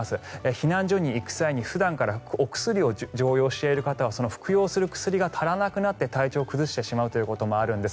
避難所に行く際に普段からお薬を常用している方はその服用する薬が足らなくなって体調を崩してしまうということもあるんです。